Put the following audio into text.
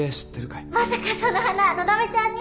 まさかその花のだめちゃんに？